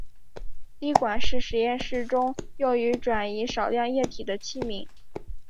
滴管是实验室中用于转移少量液体的器皿。